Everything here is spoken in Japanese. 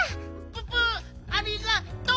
ププありがと！